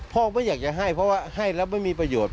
พ่อไม่อยากจะให้เพราะว่าให้แล้วไม่มีประโยชน์